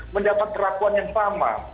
mendapat perlakuan yang sama